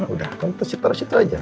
udah tersitar sitar aja